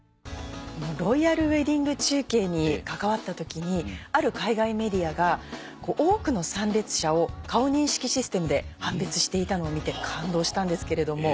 ロイヤルウエディング中継に関わった時にある海外メディアが多くの参列者を顔認識システムで判別していたのを見て感動したんですけれども。